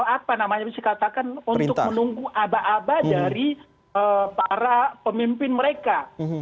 apa namanya bisa dikatakan untuk menunggu aba aba dari para pemimpin mereka